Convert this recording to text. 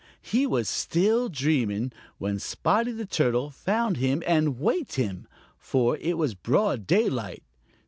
He was still dreaming when Spotty the Turtle found him and waked him, for it was broad daylight.